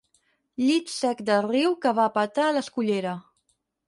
Llit sec del riu que va a petar a l'escullera.